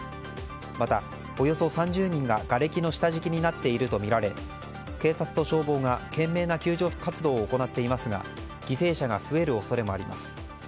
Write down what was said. また、およそ３０人が、がれきの下敷きになっているとみられ警察と消防が懸命な救助活動を行っていますが犠牲者が増える恐れもあります。